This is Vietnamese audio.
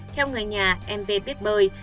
theo người nhà mb biết bơi